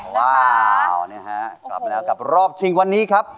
ว้าวนะคะมาแล้วกับรอบจริงวันนี้ค่ะ